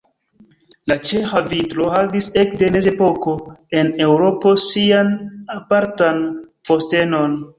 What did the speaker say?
La ĉeĥa vitro havis ekde mezepoko en Eŭropo sian apartan postenon.